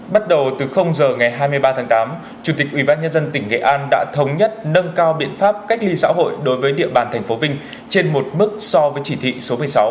bắt đầu từ giờ ngày hai mươi ba tháng tám chủ tịch ubnd tỉnh nghệ an đã thống nhất nâng cao biện pháp cách ly xã hội đối với địa bàn tp vinh trên một mức so với chỉ thị số một mươi sáu